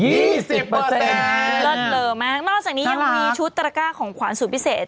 เลิศเลอมากนอกจากนี้ยังมีชุดตระก้าของขวานสูตรพิเศษ